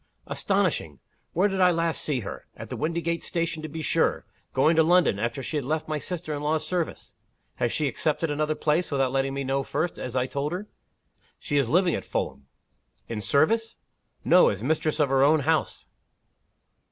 "Astonishing! Where did I last see her? At the Windygates station, to be sure going to London, after she had left my sister in law's service. Has she accepted another place without letting me know first, as I told her?" "She is living at Fulham." "In service?" "No. As mistress of her own house."